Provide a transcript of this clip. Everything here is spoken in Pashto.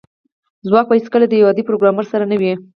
ځواک به هیڅکله د یو عادي پروګرامر سره نه وي